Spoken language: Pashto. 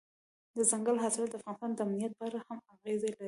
دځنګل حاصلات د افغانستان د امنیت په اړه هم اغېز لري.